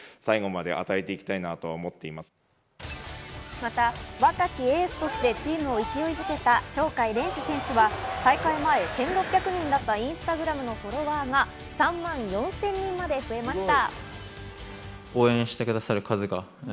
また、若きエースとしてチームを勢いづけた鳥海連志選手は大会前１６００人だったインスタグラムのフォロワーが３万４０００人にまで増えました。